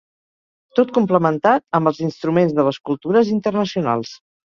Tot complementat amb els instruments de les cultures internacionals.